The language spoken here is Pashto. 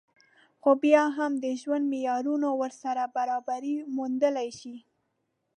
خو بيا هم د ژوند معيارونه ورسره برابري موندلی شي